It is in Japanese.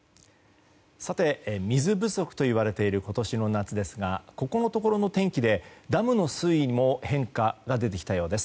水不足といわれている今年の夏ですがここのところの天気でダムの水位も変化が出てきたようです。